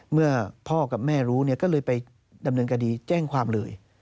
เมื่อพ่อกับแม่รู้ก็เลยไปดำเนินคดีแจ้งความเลย